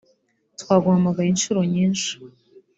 Twaguhamagaye inshuro nyinshi